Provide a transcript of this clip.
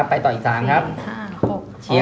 ได้เลยเหรอเหรอ